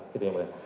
gitu yang mulia